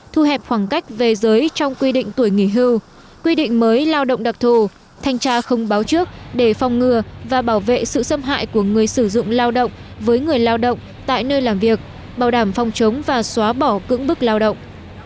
thu hẹp khoảng cách về giới trong quy định tuổi nghỉ hưu quy định mới lao động đặc thù thanh tra không báo trước để phòng ngừa và bảo vệ sự xâm hại của người sử dụng lao động với người lao động tại nơi làm việc bảo đảm phòng chống và xóa bỏ cưỡng bức lao động